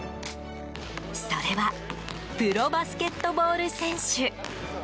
それはプロバスケットボール選手。